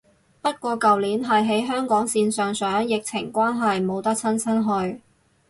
不過舊年係喺香港線上上，疫情關係冇得親身去